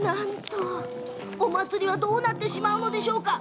お祭りはどうなっちゃうんでしょうか？